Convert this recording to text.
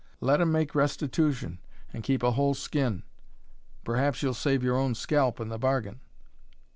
Let him make restitution, and keep a whole skin; perhaps you'll save your own scalp in the bargain."